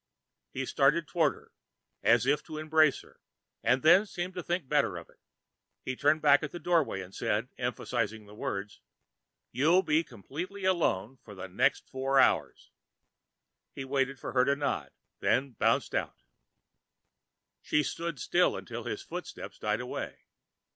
He started toward her, as if to embrace her, then seemed to think better of it. He turned back at the doorway and said, emphasizing the words, "You'll be completely alone for the next four hours." He waited for her nod, then bounced out. She stood still until his footsteps died away.